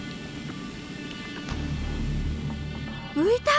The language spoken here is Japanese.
浮いた！